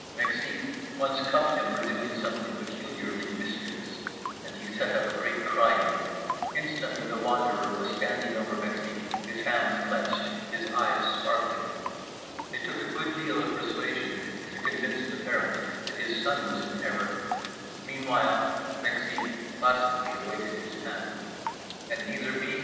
Mexique once cuffed him for doing something peculiarly mischievous, and he set up a great crying—instantly The Wanderer was standing over Mexique, his hands clenched, his eyes sparkling—it took a good deal of persuasion to convince the parent that his son was in error, meanwhile Mexique placidly awaited his end … and neither B.